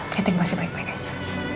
catherine pasti baik baik aja